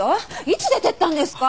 いつ出ていったんですか？